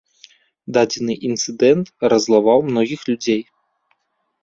Дадзены інцыдэнт раззлаваў многіх людзей.